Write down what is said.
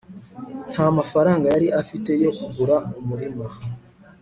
nta mafaranga yari afite yo kugura umurima